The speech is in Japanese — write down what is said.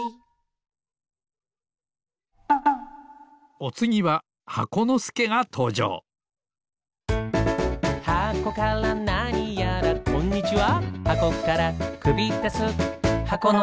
おつぎは箱のすけがとうじょうこんにちは。